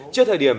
trước thời điểm